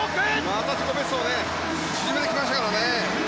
また自己ベストを縮めてきましたからね。